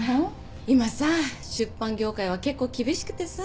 今さ出版業界は結構厳しくてさ。